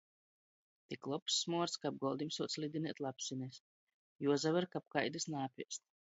Tik lobs smuords, ka ap goldim suoc lidinēt lapsinis, juosaver, kab kaidys naapēst.